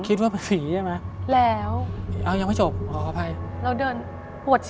คิดว่าผีใช่ไหม